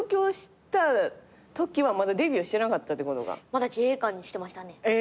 まだ自衛官してましたね。